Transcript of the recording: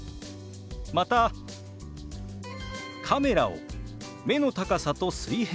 また「カメラを目の高さと水平にする」。